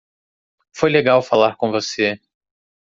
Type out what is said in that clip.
Foi legal falar com você.